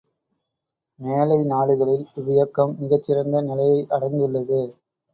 மேலை நாடுகளில் இவ்வியக்கம் மிகச் சிறந்த நிலையை அடைந்துள்ளது.